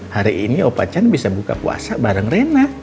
hari ini opacan bisa buka puasa bareng rena